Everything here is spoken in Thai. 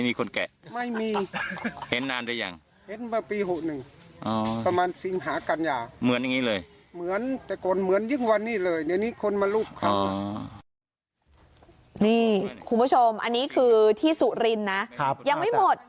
นี่คุณผู้ชมอันนี้คือที่สุรินทร์นะยังไม่หมด